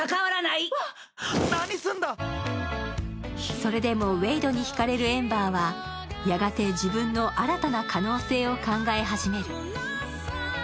それでも、ウェイドにひかれるエンバーは、やがて自分の新たな可能性を考え始める。